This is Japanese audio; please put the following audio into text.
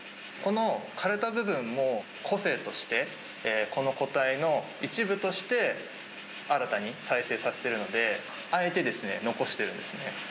この枯れた部分も個性として、この個体の一部として新たに再生させてるので、あえて残してるんですね。